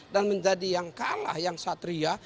dan menjadi yang kalah yang satria